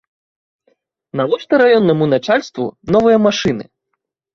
Навошта раённаму начальству новыя машыны?